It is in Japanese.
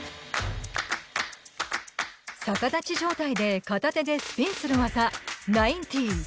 逆立ち状態で片手でスピンする技１９９０。